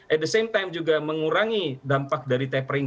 at the same time juga mengurangi dampak dari tapering